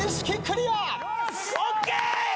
ＯＫ！